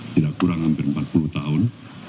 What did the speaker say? tidak kurang hampir empat puluh tahun